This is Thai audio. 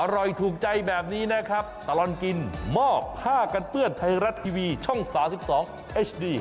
อร่อยถูกใจแบบนี้นะครับตลอดกินมอบห้ากันเพื่อนไทยรัดทีวีช่องสาวสิบสองเอฮดี